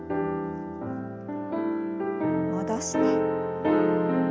戻して。